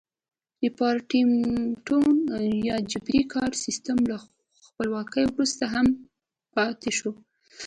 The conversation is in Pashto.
ریپارټمنټو یا جبري کاري سیستم له خپلواکۍ وروسته هم پاتې شو.